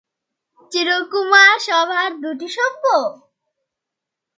চিরকুমার-সভার দুটো সভ্য?